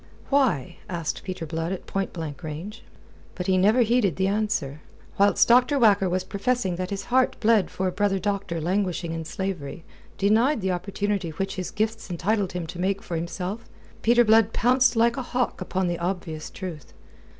"Why?" asked Peter Blood at point blank range. But he never heeded the answer. Whilst Dr. Whacker was professing that his heart bled for a brother doctor languishing in slavery, denied the opportunity which his gifts entitled him to make for himself, Peter Blood pounced like a hawk upon the obvious truth.